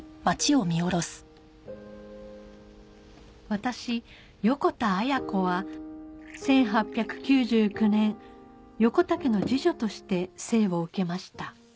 私横田綾子は１８９９年横田家の次女として生を受けました